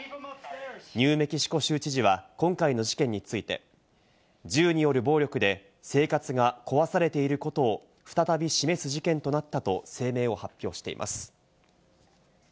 ニューメキシコ州知事は今回の事件について、銃による暴力で生活が壊されていることを再び示す事件となったと声明を発表しています。